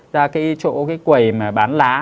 ra cái chỗ quầy bán lá